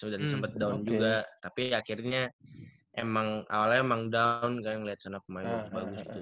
dan sempet down juga tapi akhirnya emang awalnya emang down kan ngeliat sana pemain bagus gitu